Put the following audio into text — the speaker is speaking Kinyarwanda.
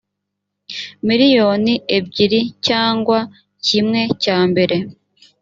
miliyoni ebyiri cyangwa kimwe cyambere